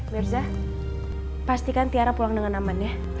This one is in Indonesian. mirza pastikan tiara pulang dengan aman ya